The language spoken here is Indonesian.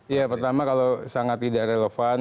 ya pertama kalau sangat tidak relevan